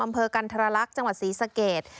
อำเภอกันทรลักษณ์จังหวัดศรีสะเกด